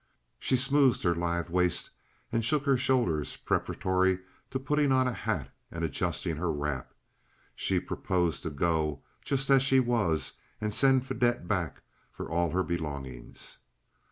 She smoothed her lithe waist and shook her shoulders preparatory to putting on a hat and adjusting her wrap. She proposed to go just as she was, and send Fadette back for all her belongings.